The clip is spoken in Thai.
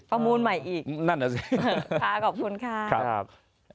ประมูลใหม่อีกนั่นเหรอสิค่ะขอบคุณครับ